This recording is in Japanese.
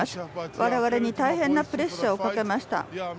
我々に大変なプレッシャーをかけました。